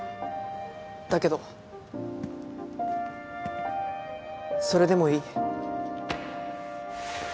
だけどそれでもいい。